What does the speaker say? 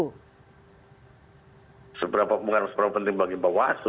bukan seberapa penting bagi bawaslu